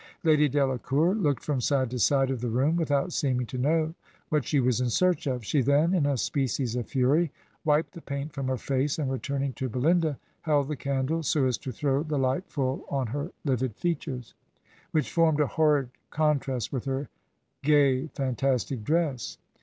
Lady Delacour ... looked from side to side of the room without seeming to know what she was in search of. She then, in a species of fury, wiped the paint from her face, and returning to Belinda, held the candle so as to throw the light full on her livid features ... which formed a horrid con trast with her gay, fantastic dress.